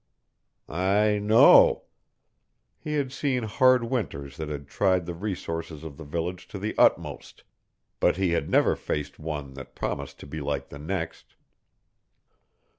"I know." He had seen hard winters that had tried the resources of the village to the utmost, but he had never faced one that promised to be like the next.